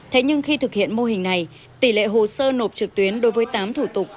thế nhưng khi thực hiện mô hình này tỷ lệ hồ sơ nộp trực tuyến đối với tám thủ tục